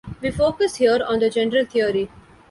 We focus here on the general theory.